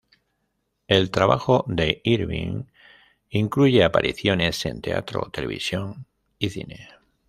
El trabajo de Irvine incluye apariciones en teatro, televisión y cine.